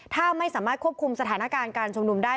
ถ้าไม่สามารถควบคุมสถานการณ์การชุมนุมได้